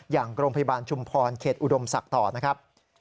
อย่างโรงพยาบาลชุมพรเขตอุดมศักดิ์ต่อนะครับ